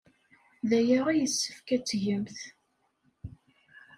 D aya ay yessefk ad t-tgemt.